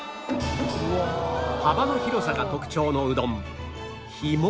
幅の広さが特徴のうどんひもかわ